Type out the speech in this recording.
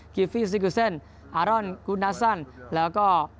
กิฟฟิสิกุเซนอารอนกุนัสซันแล้วก็